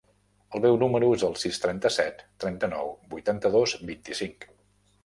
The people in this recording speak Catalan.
El meu número es el sis, trenta-set, trenta-nou, vuitanta-dos, vint-i-cinc.